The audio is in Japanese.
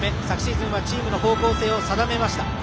昨シーズンはチームの方向性を定めました。